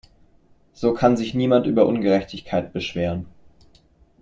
So kann sich niemand über Ungerechtigkeit beschweren.